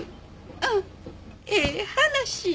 ああええ話や。